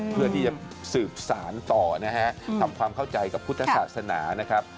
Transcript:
เพื่อที่จะสืบสารต่อนะฮะทำความเข้าใจกับพุทธศาสนานะครับ